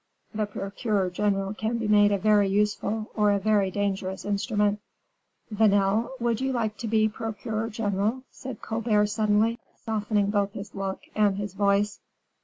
The procureur general can be made a very useful or a very dangerous instrument." "Vanel, would you like to be procureur general?" said Colbert, suddenly, softening both his look and his voice.